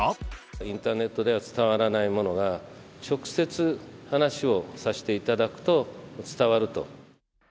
インターネットでは伝わらないものが、直接、話をさせていただくと伝わると。